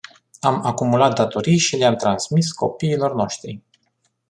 Am acumulat datorii și le-am transmis copiilor noștri.